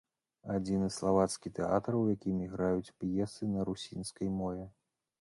Адзіны славацкі тэатр, у якім іграюць п'есы на русінскай мове.